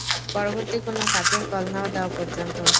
পরবর্তী কোনো কাজের কল না দেওয়া পর্যন্ত।